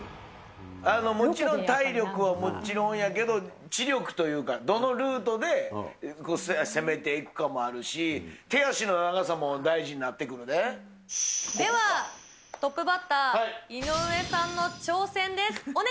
もちろん、体力はもちろんやけど、知力というか、どのルートで攻めていくかもあるし、手足のでは、トップバッター、井上さんの挑戦です。